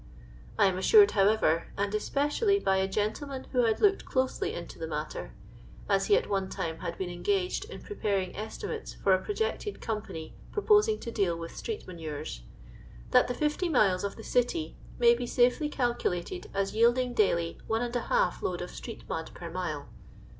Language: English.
I am assured, however, and especially by a gentleman who had looked closely into the matter — as he at one time had been engaged in preparing estimates for a projected company purposing to deal with street manures — that the 50 miles of the City may be safely calculated as yielding daily 1^ load of street mud per mile.